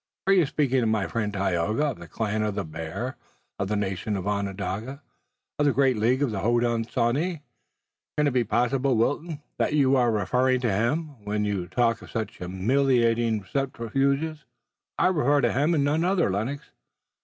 "Are you speaking of my friend, Tayoga, of the Clan of the Bear, of the nation Onondaga, of the great League of the Hodenosaunee? Can it be possible, Wilton, that you are referring to him, when you talk of such humiliating subterfuges?" "I refer to him and none other, Lennox.